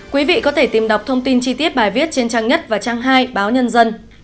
quý vị có thể tìm đọc thông tin chi tiết bài viết trên trang nhất và trang hai báo nhân dân